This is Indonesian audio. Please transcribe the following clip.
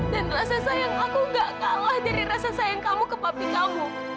dan rasa sayang aku tidak kalah dari rasa sayang kamu ke papi kamu